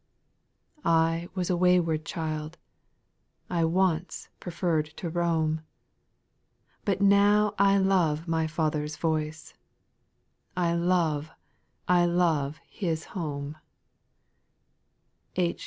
I was a wayward child, I once preferred to roam ; But now I love my Father's voice, — I love, I love His home I '' H.